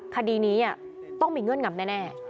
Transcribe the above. คดีนี้ต้องมีเงื่อนงำแน่